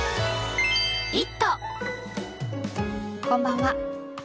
こんばんは。